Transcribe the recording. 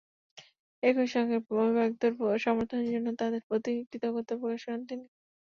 একই সঙ্গে অভিভাবকদের সমর্থনের জন্য তাঁদের প্রতি কৃতজ্ঞতা প্রকাশ করেন তিনি।